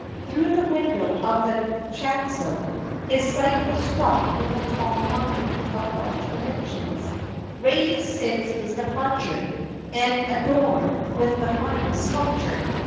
Through the window of the chancel, his sight was struck with a tall monument of large dimensions, raised since his departure, and adorned with the finest sculpture.